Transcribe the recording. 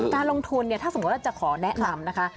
การลงทุนเนี่ยถ้าสมมุติว่าจะขอแนะนำนะคะ